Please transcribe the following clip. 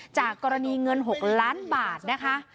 จากกรณีเงิน๖ล้านบาทนะคะ